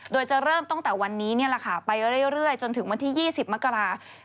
โดยจะเริ่มตั้งแต่วันนี้ไปเรื่อยจนถึงวันที่๒๐มกราคม